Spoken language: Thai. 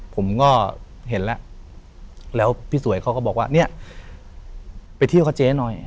ผมก็เห็นแล้วแล้วพี่สวยเขาก็บอกว่าเนี่ยไปเที่ยวกับเจ๊หน่อย